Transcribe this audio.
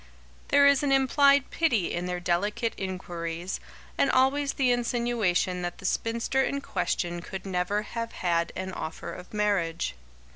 There is an implied pity in their delicate inquiries, and always the insinuation that the spinster in question could never have had an offer of marriage.